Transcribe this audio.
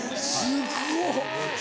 すごっ！